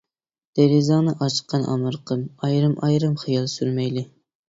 دېرىزەڭنى ئاچقىن ئامرىقىم، ئايرىم-ئايرىم خىيال سۈرمەيلى.